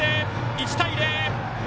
１対０！